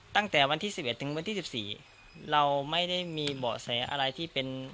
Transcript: ตั้งแต่วันที่สิบเอ็ดถึงวันที่สิบสี่เราไม่ได้มีเบาะแสอะไรที่เป็น